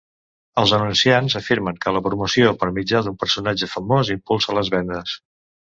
Els anunciants afirmen que la promoció per mitjà d'un personatge famós impulsa les vendes.